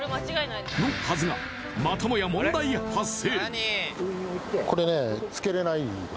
のはずがまたもや問題発生。